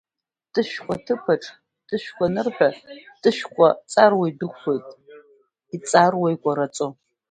Тышәкәа аҭыԥаҿ, Тышәкәа анырҳәа, Тышәкәа, иҵаруа идәықәлоит, иҵаруа, икәараҵо.